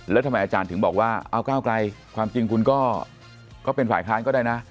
แล้วทำไมอาจารย์ถึงบอกว่าเอาก้าวไกลความจริงคุณก็เป็นฝ่ายค้านก็ได้นะ